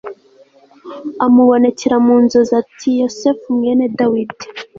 amubonekera mu nzozi ati Yosefu mwene Dawidi